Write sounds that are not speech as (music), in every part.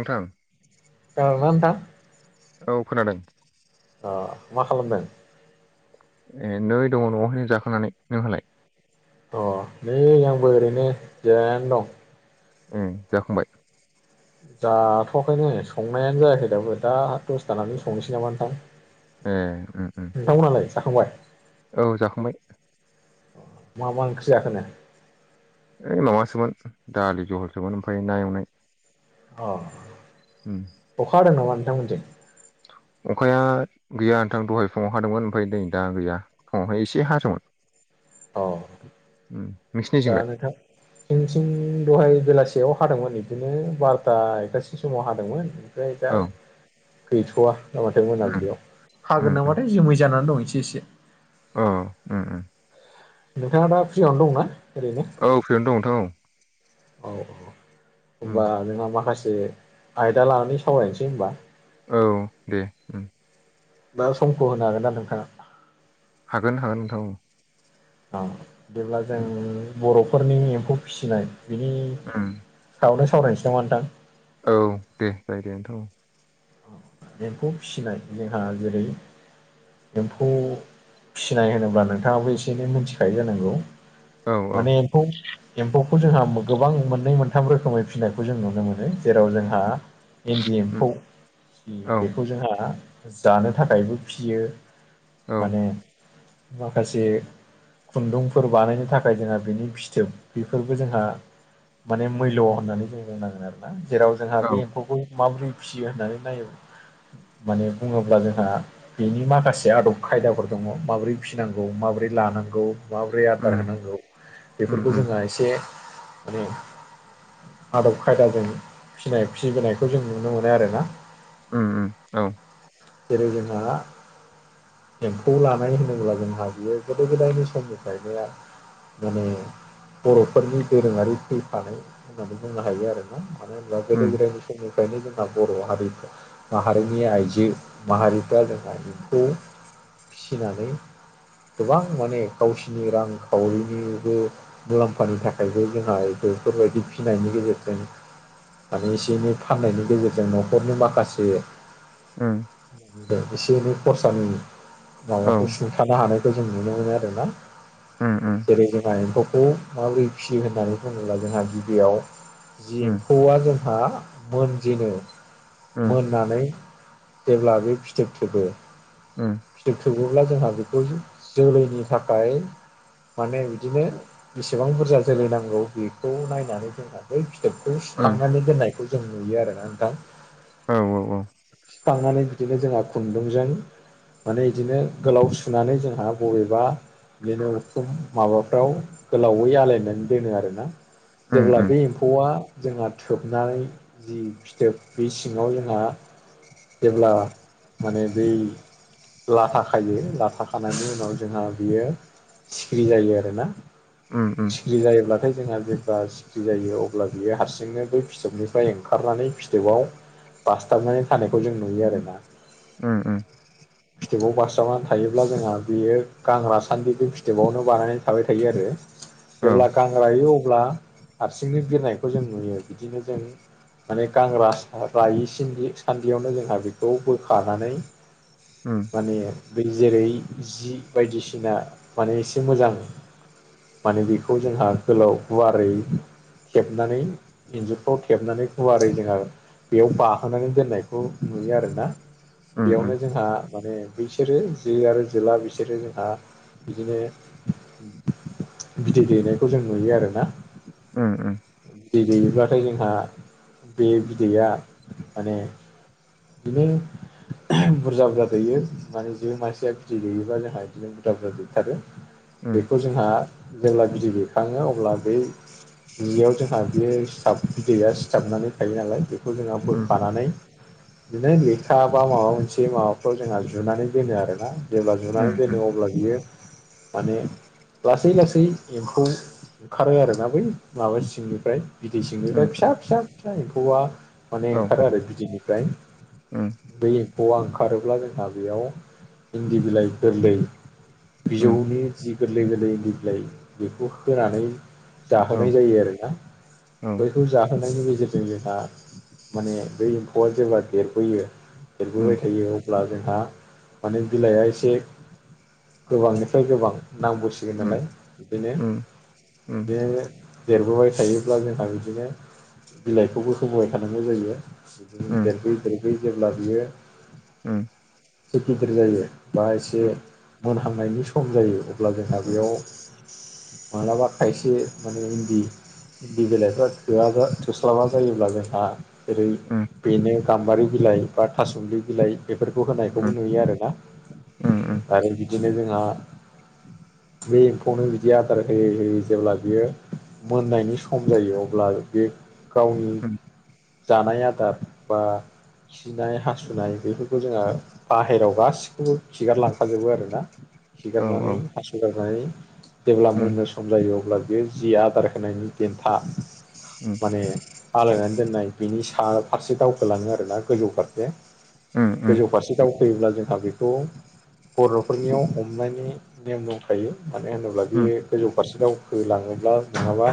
नोंथां खोनादो ना नोंथां। औ खोनादों। अ मा खालामदों? ए नै दङ न'आवहायनो जाखांनानै नोंहालाय। अ नै आंबो ओरैनो जिरायानो दं। ओं जाखांबाय। जाथ'वाखैनो संनायानो जायाखै दाबो दा दसथानानै संनोसै नामा नोंथां। ए नोंथा। नोंथांमोनहालाय नालाय जाखांबाय? औ जाखांबाय। मा मा ओंख्रि जाखोननो। ओइ माबासोमोन दालि जहलसोमोन ओमफ्राय ना एवनाय। अ उम अखा हादों नामा नोंथांमोनजों? अखाया गैया नोंथां दहाय फुङाव हादोंमोन ओमफ्राय नै दा गैया फुङावहाय एसे हादोंमोन। अ उम दा नोंसिनिजोंलाय नोंथां जों थिं दहाय बेलासेयाव हादोंमोन बिदिनो बार'था एकथासो समाव हादोंमोन। ओमफ्राय दा औ गैथ'वा। ना माथाय उम मोनाबिलियाव उम हागोन नाम माथाय जोमै जानानै दं एसे एसे। अ ओं ओं नोंथाङा दा फ्रियावनो दंना ओरैनो। औ फ्रियावनो दं नोंथां औ। औ उम होनबा नोंहा माखासे आयदा लानानै सावरायनोसै होनबा। औ दे। बा समखौ होनो हागोन ना नोंथाङा? हागोन हागोन नोंथां औ। ओ जेब्ला जों उम बर'फोरनि एम्फौ फिसिनाय बिनि ओं बाव नों सावनो सावरायनोसै नामा नोंथां। औ दे जायो दे नोंथां औ। एम्फौ फिसिनाय जोंहा जेरै एम्फौ फिसिनाय होनोब्ला नोंथाङाबो एसे एनै मिथिखायो जानांगौ। औ औ माने एम्फौ एम्फौखौ जोंहा गोबां मोननै मोनथाम रोखोमै फिसिनायखौ जों नुनो मोनो जेराव जोंहा इन्दि उम एम्फौ। औ बेखौ जोंहा जानो थाखायबो फियो औ माने माखासे खुन्दुंफोर बानायनो थाखाय जोंहा बिनि फिथोब बेफोरबो जोंहा माने मुल्य होननानै जों बुंनांगोन आरो ना जेराव जोंहा औ बे एम्फौखौ माबोरै फिसियो होननानै नाय माने बुङोब्ला जोंहा बेनि माखासे आदब खायदाफोर दङ माबोरै फिसि नांगौ माबोरै लानांगौ। माबोरै उम आदार होनांगौ उम बेफोरखौ उम जोंहा एसे माने आदब खायदाजों फिसिनाय फिबोनायखौ जों नुनो मोनो आरोना। ओम ओम औ जेरै जोङा एम्फौ लानाय होनोब्ला जोंहा बियो गोदो गोदायनि समनिफ्रायनो माने बर'फोरनि दोरोङारि फैफानाय होननानै बुंनो हायो आरोना मानो होनबा गोदो उम गोदायनि समनिफ्रायनो जोंना बर' हारिफ्रा माहारिनि आइजो माहारिफ्रा जोंहा बेखौ फिसिनानै गोबां माने गावसिनि रांखावरिनिबो मुलाम्फानि थाखायबो जोंहा बेफोरबायदि फिनायनि गेजेरजों माने एसे एनै फाननायनि गेजेरजों न'खरनि माखासे उम एसे एनै खरसानि उम माबाखौ सुंथानो हानायखौ जों नुनो मोनो आरोना। उम उम जेरै जोंहा एम्फौखौ माबोरै फिसियो होननानै बुङोब्ला जोंहा गिबियाव जि एम्फौआ जोंहा मोनजेनो मोननानै जेब्ला बे फिथोब थोबो ओ फिथोब थोबोब्ला जोंहा बेखौ जो-जोलैनि थाखाय माने बिदिनो बेसेबां बुरजा जोलै नांगौ बेखौ नायनानै जोंहा बै फिथोबखौ उम सुखांनानै दोननायखौ जों नुयो आरोना नोंथां। औ औ औ खांनानै बिदिनो जोंहा खुनदुंजों माने बिदिनो गोलाव सुनानै जोंहा बबेबा बिदिनो उखुम माबाफ्राव गोलावै आलायनानै दोनो आरोना। उम जेब्ला उम बे एम्फौआ जोंहा थोबनानै जि फिथोब बे सि ङाव जोंहा जेब्ला माने बै लाथा खायो लाथा खानायनि उनाव जोंहा बियो सिखिरि जायो आरो ना। उम उम जि जायोब्लाथाय जोंहा जेनबास खुथि जायो अब्ला बियो हारसिंनो बै फिथोबनिफ्राय ओंखारनानै फिथोबाव बास्थाबनानै थानायखौ जों नुयो आरोना। औ उम औ उम औ उम फिथोबाव बारस्रावनानै थायोब्ला जोंहा बेयो गांग्रासान्दिखौ फिथोबावनो बानायनानै थाबाय थायो आरो जेब्ला उम गां गां रायो अब्ला हारसिंनो बिरनायखौ जों नुयो बिदिनो जों माने गां रास रायैसिनदि सान्दियावनो जोंहा बेखौ बोखारनानै उम माने बै जेरै जि बायदिसिना माने एसे मोजां माने बेखौ जोंहा गोलाव गुवारै थेबनानै इन्जुरफ्राव थेबनानै गुवारै जोंहा बेयाव बाहोनानै दोननायखौ नुयो आरोना बेयावनो जोंहा माने बिसोरो जो आरो जोला बिसोरो जोंहा बिदिनो बिदै दैनायखौ जों नुयो आरो ना। उम उम बिदै दैयोब्लाथाय जोंहा बे बिदैया माने बिदिनो बुरजा बुरजा दैयो माने जे मानसिया बिदै दैयोबा जोंहा बिदिनो बुरजा बुरजा दैथारो बेखौ जोंहा जेब्ला बिदै दैखाङो अब्ला बै जियाव जोंहा बेयो सिथाब बिदैया सिथाबनानै थायो नालाय बेखौ जोंहा बोखानानै बिदिनो लेखा बा माबा मोनसे माबाफ्राव जोंहा जुनानै दोनो आरोना। जेब्ला उम जुनानै दोनो अब्ला बियो माने लासै लासै एम्फौ ओंखारो आरोना बै माबानि सिंनिफ्राय। बिदै सिंनिफ्राय फिसा फिसा फिसा एम्फौआ माने ओंखारो आरो बिदैनिफ्राय। उम बै एम्फौआ ओंखारोब्ला जोंहा बेयाव इन्दि बिलाइ गोरलै बिजौनि जि गोरलै गोरलै बिलाइ बेखौ होनानै जाहोनाय जायो आरो ना। बैखौ जाहो- नायनि गेजेरजों जोंहा माने बै एम्फौआ जेब्ला देरबोयो देरबोबाय थायो अब्ला जोंहा माने बिलाइआ एसे गोबांनिफ्राय गोबां नांगौसि न नालाय बेदिनो बे देरबोबाय थायोब्ला जोंहा बिदिनो बिलाइखौबो होबोबाय थानांगौ जायो। बिदिनो देरबोयै देरबोयै जेब्ला बियो उम एसे गिदिर जायो बा एसे मोनहांनायनि सम जायो। अब्ला जोंहा बेयाव मालाबा खायसे माने इन्दि इन्दि बिलाइफ्रा थोआबा थोस्लाबा जायोब्ला जोंहा जेरै बेनो गाम्बारि बिलाइ बा था-सुमलि बिलाइ बेफोरखौ होनायखौबो नुयो आरो ना। आरो बिदिनो जोंहा बे एम्फौनो बिदि आदार होयै होयै जेब्ला बियो मोननायनि सम जायो अब्ला बे गावनि जानाय आदार बा खिनाय-हासुनाय बेफोरखौ जोङो बाहेराव गासिखौबो खिगारलांफाजोबो आरो ना। खिगारनानै हासु गारनानै जेब्ला मोन- नो सम जायो अब्ला बेयो जि आदार होनायनि देन्था माने आलायनानै दोननाय बिनि सा फारसे दावखोलाङो आरोना गोजौ फारसे। गोजौ फारसे दावफैयोब्ला जोंहा बेखौ बर'फोरनियाव हमनायनि नेम दंखायो मानो होनोब्ला बे गोजौ फारसे दावखो लाङोब्ला नङाबा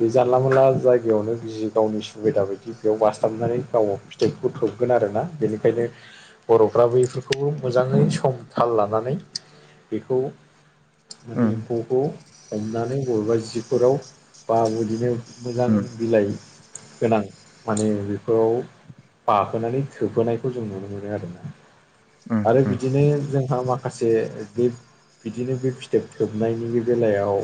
बे जानला मोनला जायगायावनो जि गावनि सुबिदा बायदि बेयाव बास्थाबनानै गाव फिथोबखौ थोबगोन आरो ना बेनिखायनो बर'फ्रा बैफोरखौबो मोजाङै सम थाल लानानै बेखौ माने एम्फौखौ हमनानै बबेबा जिफोराव बा बिदिनो मोजां बिलाइ गोनां माने बेफोराव बाहोनानै थोबहोनायखौ जों नुनो मोनो आरो ना। आरो बिदिनो जोंहा माखासे बे बिदिनो बे फिथोब थोबनायनि बेलायाव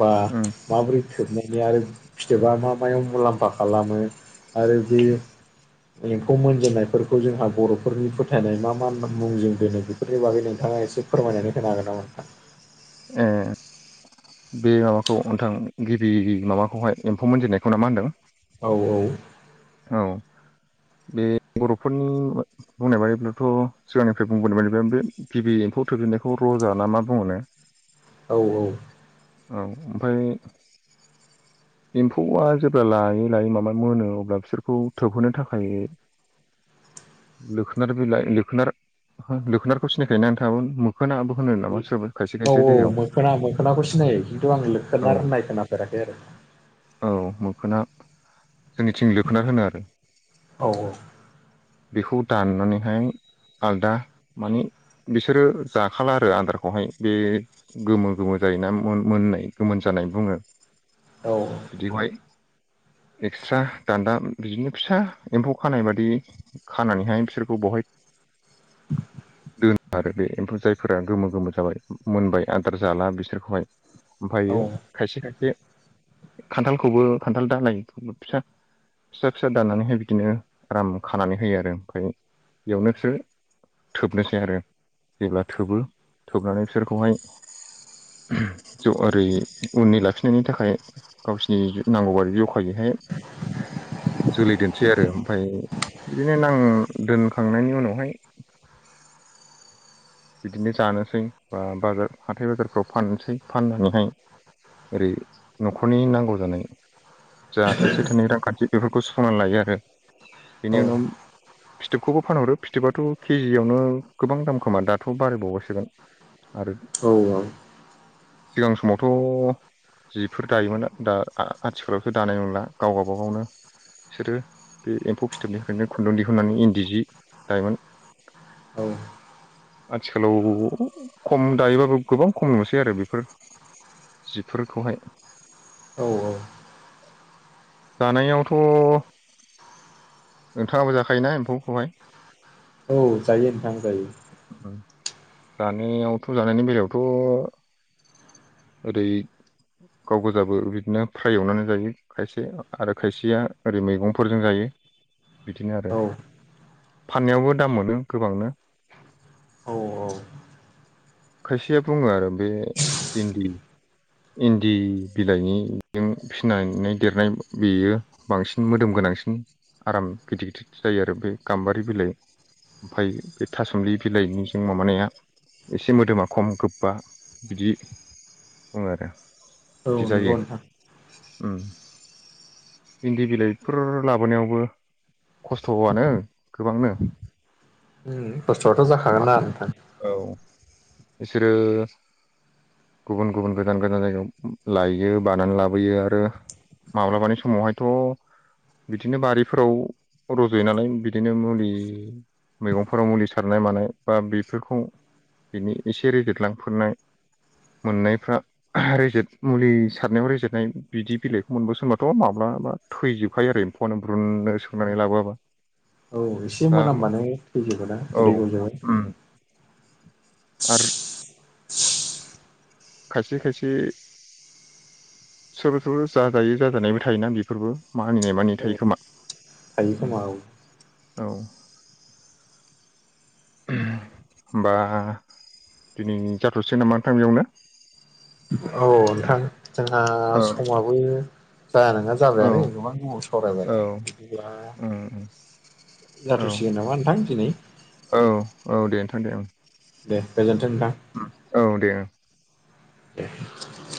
बा उम माब्रोरै थोबनायनि आरो फिथोबा मा मायाव मुलाम्फा खालामो आरो बे एम्फौ मोनजेननायफोरखौ जोंहा बर'फोरनि फोथायनाय मा मा मुंजों दोनो बे- फोरनि बागै नोंथाङा एसे फोरमायनानै होनो हागोन ना नोंथां? ओ बे माबाखौ नोंथां गिबि माबाखौहाय एम्फौ मोनजेननायखौ ना मा होनदों? औ औ औ बे बर'फोरनि बुंनाय बादिब्लाथ' सिगांनिफ्राय बुंबोनाय बादिब्ला बे गिबि एम्फौ थोबजेननायखौ रजा ना मा बुङो ने? औ औ औ ओमफ्राय एम्फौआ जेब्ला लायै लायै माबा मोनो अब्ला बिसोरखौ थोबहोनो थाखाय लोखोनार बिलाइ लोखोनार लोखोनारखौ सिनायखायो ना नोंथाङाबो? खोनाबो (unintelligible) औ औ मोखोना मोखोनाखौ सिनायो खिन्थु आं औ लोखोनार होननाय खोनाफेराखै आरो औ मोखोना जोंनिथिं लोखोनार होनो आरो। औ औ। बेखौ दाननानैहाय आलदा माने बिसोरो जाखाला आरो आदारखौहाय बे गोमो गोमो जायोना मोननाय गोमोन जानाय बुङो। औ। बिदिवहाय एक्सट्रा दान्दा बिदिनो फिसा एम्फौ खानाय बादि खानानैहाय बिसोरखौ बहाय दोनो आरो बे एम्फौ जायफोरा गोमो गोमो जाबाय मोनबाय आदार जाला बिसोरखौहाय। ओमफ्रायो औ खायसे खायसे खान्थालखौबो खान्थाल दालाइ फिसा फिसा फिसा दाननानैहाय बिदिनो आराम खानानै होयो आरो ओमफाय बेयावनोसो थोबनोसै आरो जेब्ला थोबो थोबनानै बिसोरखौहाय ज ओरै उनै लाफिनायनि थाखाय गावसिनि नांगौबादि जिउ (unintelligible) हाय जोलै दोनसै आरो ओमफ्राय बिदिनो नां दोन खांनायनि उनावहाय बिदिनो जानोसै बा बाजार हाथाय बाजारफ्राव फानसै फाननानैहाय ओरै न'खरनि नांगौ जानाय जा थाइसे थाइनै रांखान्थि बेफोरखौ सुफनानै लायो आरो औ बेनि उनाव फिथोबखौबो फानहरो फिथोबाथ' केजियावनो गोबां दाम खोमा दा थ' बारायबावबायसोदां आरो औ औ। सिगां समावथ' जिफोर दायोमोन दा आ आथिखालावथ' दानाय नंला गावबा गाबागावनो बिसोरो बे एम्फौ फिथोबनिफ्रायनो खुन्दुं दिहुननानै इन्दि जि दायोमोन। औ। आथिखालाव खम दायोबाबो गोबां खम नुसै आरो बेफोर जिफोरखौहाय। औ औ। जानायावथ' नोंथांंयाबो जाखायोना एम्फौखौहाय। औ जायो नोंथां जायो। जानियावथ' जानायनि बेलायावथ' ओरै गाव गोजाबो बिदिनो फ्राय एवनानै जायो‌। खायसे आरो खायसेया ओरै मैगंफोरजों जायो बिदिनो आरो। औ फाननायावबो दाम मोनो गोबांनो। औ औ। खायसेया बुंङो आरो बे इन्दि इन्दि बिलाइनिजों फिनानै देरनाय बेयो बांसिन मोदोम गोनांसिन आराम गिदिर गिदिर जायो आरो बे गाम्बारि बिलाइ ओमफाय बे थासुमलि बिलाइनिजों माबानाया एसे मोदोमा खम गोबबा बिदि बुंङो आरो। औ बिदि नंगौ जायो नोंथां ओम। इन्दि बिलाइफोर लाबोनायावबो खस्थ'आनो गोबांनो। ओम खस्थ'आथ' जाखागोनना नोंथां। औ इसोरो गुबुन गुबुन गोजान गोजान जायगायाव लायो बानानै लाबोयो आरो माब्लाबानि समावहायथ' बिदिनो बारिफोराव रज'यो नालाय बिदिनो मुलि मैगंफोराव मुलि सारनाय मानाय बा बेफोरखौ बिनि एसे रेजेदलांफोरनाय। मोननायफ्रा रेजेट मुलि सारनायाव रेजेटनाय बिदि बिलाइखौ मोनबोस'नबाथ' माब्लाबा थैजोबखायो आरो एम्फौयानो ब्रुुननो सोंनानै लाबोआबा। औ एसे दा मोनामबानो थैजोबोना औ खुदै गजोबो। उम आरो खायसे खायसे सोरबा सोरबा जाजायै जाजानायबो थायोना बेफोरबो मानिनाय मानियि औ थायो खोमा। थायो ओम खोमा औ औ होमबा दिनै जाथ'नोसै नामा नोंथां बियावनो। औ नोंथां जोंहा औ समाबो जाया नोंङा औ जाबायानो गोबां गोबाव सावरायबाय बिदिब्ला ओम ओम जाथ'सिगोन नामा नोंथां दिनै। औ औ दे नोंथां दे ओं दे गोजोन्थों नोंथां ओम औ दे ओं दे